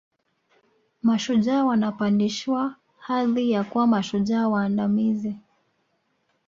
Mashujaa wanapandishwa hadhi ya kuwa mashujaa waandamizi